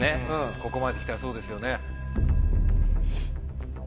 ここまで来たらそうですよね。